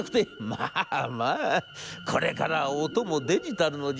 『まあまあこれからは音もデジタルの時代。